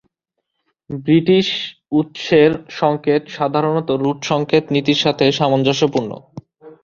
British উৎসের সংকেত সাধারণত "রুট সংকেত" নীতির সাথে সামঞ্জস্যপূর্ণ।